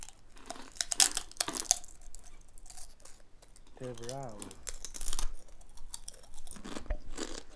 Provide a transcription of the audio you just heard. Women were actively participating in manufacturing.